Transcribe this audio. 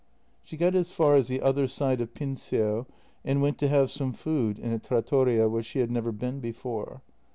She got as far as the other side of Pincio, and went to have some food in a trattoria where she had never been before.